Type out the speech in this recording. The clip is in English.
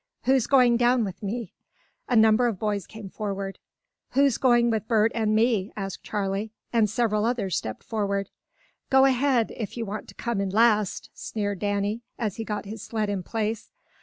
"Who's going down with me?" A number of boys came forward. "Who's going with Bert and me?" asked Charley, and several others stepped forward. "Go ahead, if you want to come in last!" sneered Danny, as he got his sled in place.